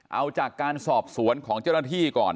เอาจากการสอบสวนของเจ้าหน้าที่ก่อน